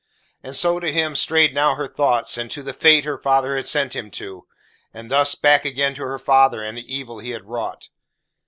And so to him strayed now her thoughts, and to the fate her father had sent him to; and thus back again to her father and the evil he had wrought.